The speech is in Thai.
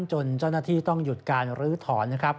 จนเจ้าหน้าที่ต้องหยุดการลื้อถอนนะครับ